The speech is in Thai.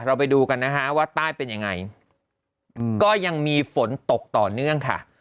เราไปดูกันนะฮะว่าใต้เป็นยังไงก็ยังมีฝนตกต่อเนื่องค่ะ